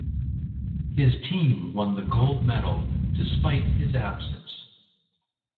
His team won the gold medal despite his absence.